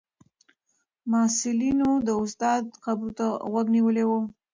محصلینو د استاد خبرو ته غوږ نیولی و.